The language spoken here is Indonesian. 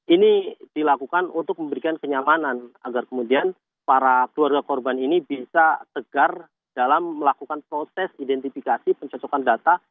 ini dilakukan untuk memberikan kenyamanan agar kemudian para keluarga korban ini bisa tegar dalam melakukan proses identifikasi pencocokan data